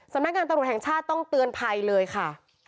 สำนักงานตำรวจแห่งชาติต้องเตือนภัยเลยค่ะ